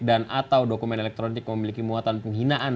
dan atau dokumen elektronik memiliki muatan penghinaan